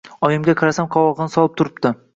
Oyimga qarasam, qovog‘ini solib turibdi.